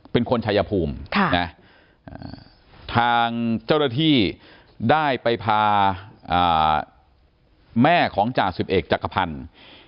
เป็นคนชายภูมิทางเจ้าหน้าที่ได้ไปพาแม่ของจ่าสิบเอกจักรพันธ์